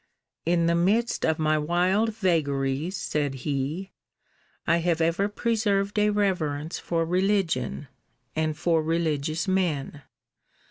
In the midst of my wild vagaries, said he, I have ever preserved a reverence for religion, and for religious men.